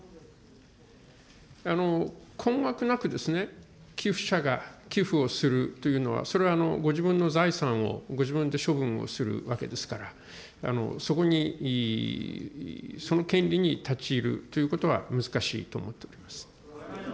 困惑なく寄付者が寄付をするというのは、それはご自分の財産を、ご自分で処分をするわけですから、そこに、その権利に立ち入るということは難しいと思っております。